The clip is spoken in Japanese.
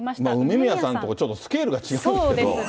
梅宮さんのところ、ちょっとスケールが違うんですけど。